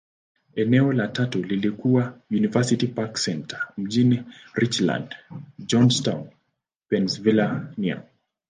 Eneo la tatu lililokuwa University Park Centre, mjini Richland, Johnstown, Pennyslvania.